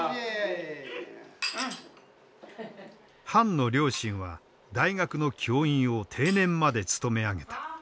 潘の両親は大学の教員を定年まで勤め上げた。